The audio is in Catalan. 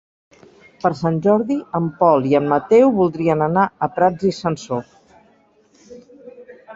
Per Sant Jordi en Pol i en Mateu voldrien anar a Prats i Sansor.